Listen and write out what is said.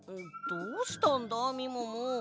どうしたんだみもも？